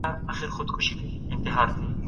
هغه سياست چې ځواک نلري بريالی نه دی.